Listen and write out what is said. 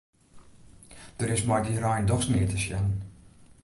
Der is mei dy rein dochs neat te sjen.